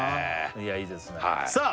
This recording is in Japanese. いやいいですねさあ！